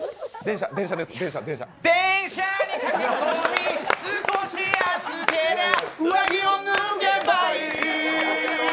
電車に駆け込み、少し暑けりゃ上着を脱げばいい！